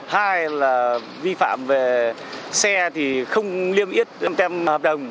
hai là vi phạm về xe thì không liên viết tem hợp đồng